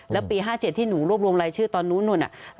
แล้วปี๕๗ที่หนูรวบรวมรายชื่อตอนนู้น